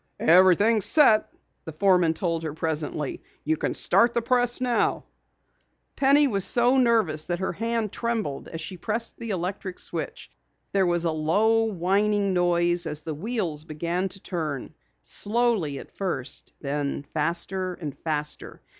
"Everything is set," the foreman told her presently. "You can start the press now." Penny was so nervous that her hand trembled as she pressed the electric switch. There was a low, whining noise as the wheels began to turn, slowly at first, then faster and faster.